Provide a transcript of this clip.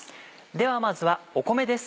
ではまずは米です。